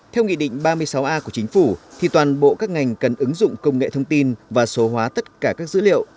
theo nghị định ba mươi sáu a của chính phủ thì toàn bộ các ngành cần ứng dụng công nghệ thông tin và số hóa tất cả các dữ liệu